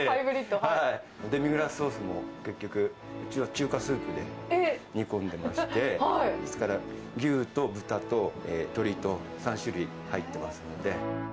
デミグラスソースも結局、うちは中華スープで煮込んでまして、ですから、牛と豚と鶏と、３種類入ってますので。